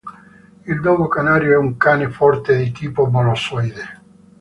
Il dogo canario è un cane forte di tipo molossoide.